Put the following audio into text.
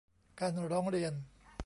การร้องเรียน